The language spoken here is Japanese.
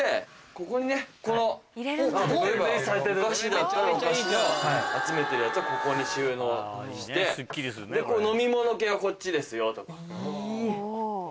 ここにねこの例えばお菓子だったらお菓子の集めてるやつはここに収納して飲み物系はこっちですよとか。